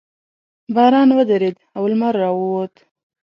باران ودرېد او لمر راووت.